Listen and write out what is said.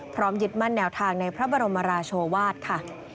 ยึดมั่นแนวทางในพระบรมราชวาสค่ะ